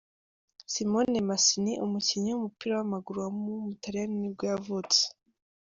Simone Masini, umukinnyi w’umupira w’amaguru w’umutaliyani nibwo yavutse.